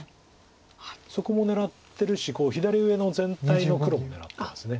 そこも狙ってるし左上の全体の黒も狙ってます。